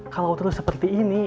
kalau terus seperti ini